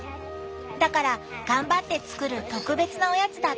だから頑張って作る特別なおやつだったって聞いた。